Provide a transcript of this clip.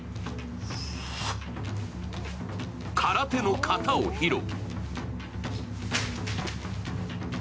空手の形を披露。